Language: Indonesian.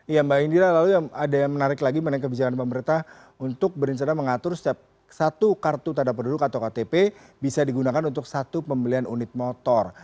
iya mbak indira lalu ada yang menarik lagi mengenai kebijakan pemerintah untuk berencana mengatur setiap satu kartu tanda penduduk atau ktp bisa digunakan untuk satu pembelian unit motor